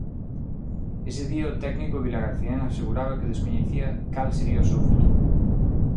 Ese día o técnico vilagarcián aseguraba que descoñecía cal sería o seu futuro.